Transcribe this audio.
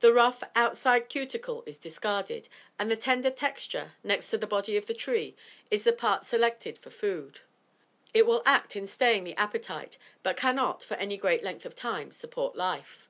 The rough, outside cuticle is discarded, and the tender texture, next to the body of the tree, is the part selected for food. It will act in staying the appetite, but cannot, for any great length of time, support life.